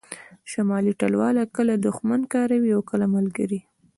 شمالي ټلواله کله دوښمن کاروي او کله ملګری